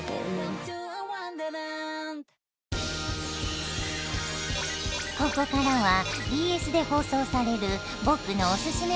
ここからはＢＳで放送される僕のおすすめ番組を紹介。